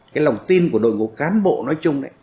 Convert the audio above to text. cái lòng tin của đội ngũ cán bộ nói chung đấy